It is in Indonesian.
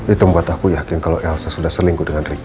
itu membuat aku yakin kalau elsa sudah selingkuh dengan ricky